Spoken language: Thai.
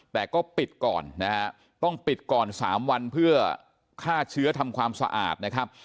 แต่ก็ปิดก่อนนะฮะต้องปิดก่อน๓วันเพื่อฆ่าเชื้อทำความสะอาดนะครับ